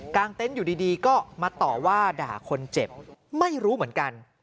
เต็นต์อยู่ดีก็มาต่อว่าด่าคนเจ็บไม่รู้เหมือนกัน